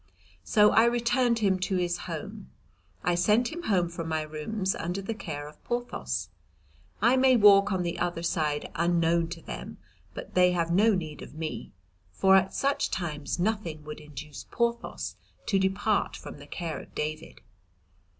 So I returned him to his home. I send him home from my rooms under the care of Porthos. I may walk on the other side unknown to them, but they have no need of me, for at such times nothing would induce Porthos to depart from the care of David.